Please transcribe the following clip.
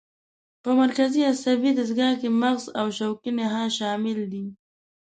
په مرکزي عصبي دستګاه کې مغز او شوکي نخاع شامل دي.